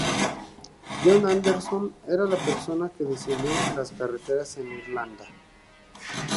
John Anderson era la persona que diseñó las carreteras en Irlanda.